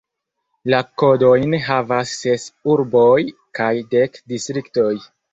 La kodojn havas ses urboj kaj dek distriktoj.